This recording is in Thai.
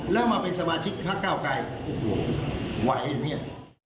แล้วมาเป็นสมาชิกพักเก้าไกรโอ้โหไหวไหมเนี่ย